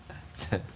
ハハハ